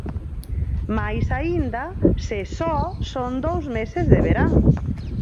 Máis aínda se só son dous meses de verán.